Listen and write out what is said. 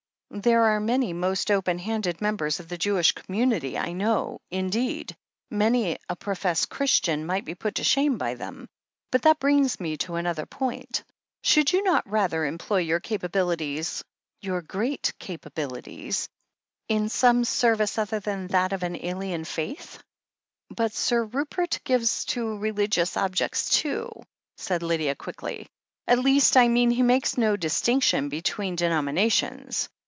There are many most open handed members of the Jewish commimity, I know — indeed, many a professed Christian might be put to shame by them. But that brings me to another point. Should you not rather employ your capabilities — ^your great capabilities — in some service other than that of an alien faith?" "But Sir Rupert gives to religious objects too," said Lydia quickly. "At least, I mean he makes no distinc tion between denominations.